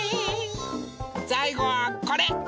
さいごはこれ！